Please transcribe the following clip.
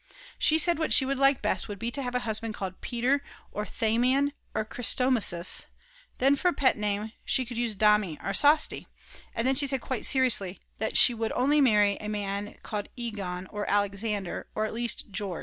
She said what she would like best would be to have a husband called Peter or Thamian or Chrysostomus; then for a pet name she would use Dami or Sosti; and then she said quite seriously that she would only marry a man called Egon, or Alexander, or at least Georg.